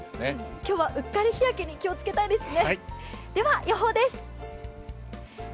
今日はうっかり日焼けに気を付けたいですね。